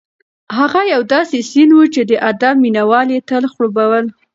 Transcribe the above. هغه یو داسې سیند و چې د ادب مینه وال یې تل خړوبول.